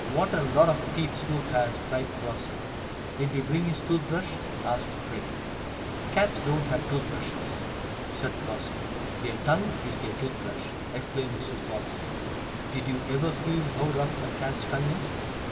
What a lot of teeth Snoop has!" cried Flossie. "Did we bring his tooth brush?" asked Freddie. "Cats don't have tooth brushes!" said Flossie. "Their tongue is their tooth brush," explained Mrs. Bobbsey. "Did you ever feel how rough a cat's tongue is?"